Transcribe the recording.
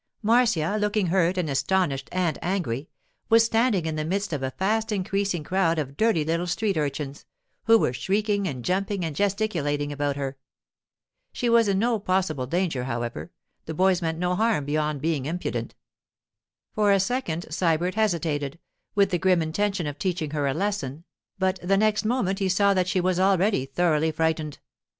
Marcia, looking hurt and astonished and angry, was standing in the midst of a fast increasing crowd of dirty little street urchins, who were shrieking and jumping and gesticulating about her. She was in no possible danger, however; the boys meant no harm beyond being impudent. For a second Sybert hesitated, with the grim intention of teaching her a lesson, but the next moment he saw that she was already thoroughly frightened.